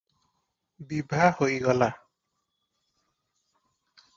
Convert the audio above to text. ବିଭା ହୋଇଗଲା ।